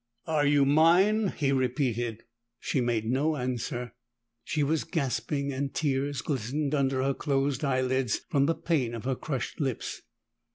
"Are you mine?" he repeated. She made no answer; she was gasping, and tears glistened under her closed eye lids, from the pain of her crushed lips.